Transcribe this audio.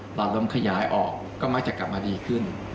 อารมณ์ขยายออกก็มักจะกลับมาดีขึ้น